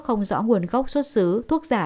không rõ nguồn gốc xuất xứ thuốc giả